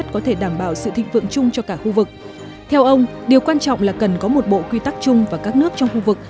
theo ông điều quan trọng là cần có một bộ quy tắc chung và các nước trong khu vực